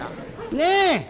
ねえ。